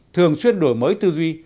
thường xuyên đổi mới tư duy